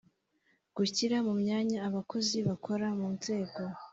Gushyira mu myanya abakozi bakora mu nzego